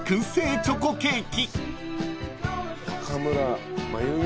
チョコケーキ］